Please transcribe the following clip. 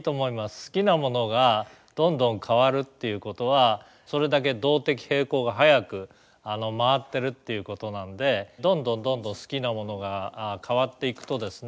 好きなものがどんどん変わるっていうことはそれだけ動的平衡が早く回ってるっていうことなんでどんどんどんどん好きなものが変わっていくとですね